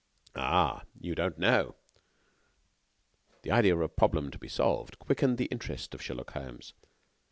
"Ah! you don't know " The idea of a problem to be solved quickened the interest of Sherlock Holmes.